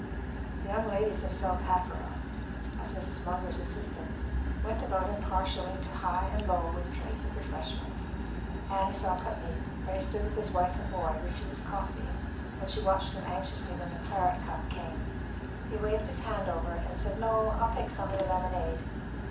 The young ladies of South Hatboro', as Mrs. Munger's assistants, went about impartially to high and low with trays of refreshments. Annie saw Putney, where he stood with his wife and boy, refuse coffee, and she watched him anxiously when the claret cup came. He waved his hand over it, and said, "No; I'll take some of the lemonade."